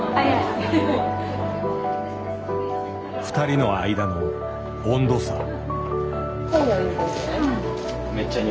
二人の間の温度差。